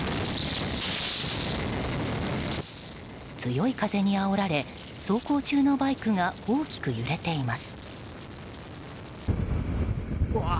強い風にあおられ走行中のバイクが大きく揺れています。